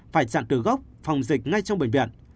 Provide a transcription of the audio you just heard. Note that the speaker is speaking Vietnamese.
phải chặn từ gốc phòng dịch ngay trong bệnh viện